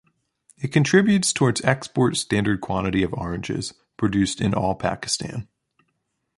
It contributes towards export standard quality of oranges produced in all Pakistan.